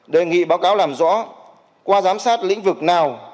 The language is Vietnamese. đề nghị báo cáo làm rõ qua giám sát lĩnh vực nào